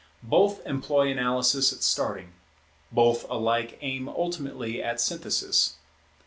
Both employ analysis at starting; both alike aim ultimately at synthesis.